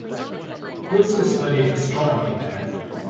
He also studied astronomy there.